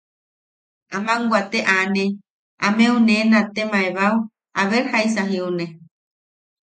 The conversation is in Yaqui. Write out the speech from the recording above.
Aman wate aane, ameu ne nattemaebae, a ver jaisa jiune.